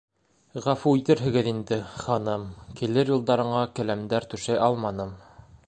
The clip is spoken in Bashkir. - Ғәфү итерһегеҙ инде, ханым, килер юлдарыңа келәмдәр түшәй алманым.